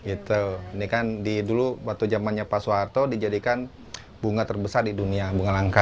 ini kan di dulu waktu zamannya pasuarto dijadikan bunga terbesar di dunia bunga langka